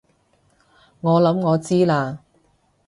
我諗我知喇